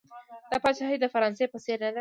دا پاچاهي د فرانسې په څېر نه وه.